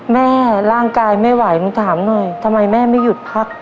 แม่ร่างกายไม่ไหวหนูถามหน่อยทำไมแม่ไม่หยุดพัก